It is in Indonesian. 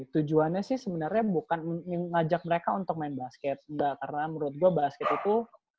tujuannya sih sebenernya bukan ngajak mereka untuk main basket enggak karena menurut gua basket itu